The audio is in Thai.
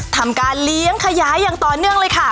ทำการเลี้ยงขยายอย่างต่อเนื่องเลยค่ะ